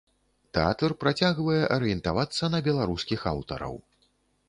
Тэатр працягвае арыентавацца на беларускіх аўтараў.